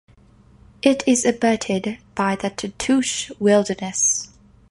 It is abutted by the Tatoosh Wilderness.